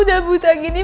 udah buta gini